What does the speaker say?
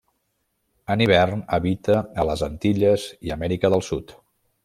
En hivern habita a les Antilles i Amèrica del Sud.